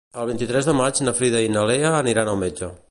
El vint-i-tres de maig na Frida i na Lea aniran al metge.